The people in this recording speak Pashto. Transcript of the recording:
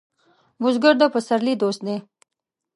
بزګر د پسرلي دوست دی